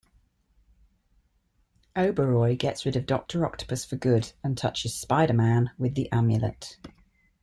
Oberoi gets rid of Doctor Octopus for good and touches Spider-Man with the amulet.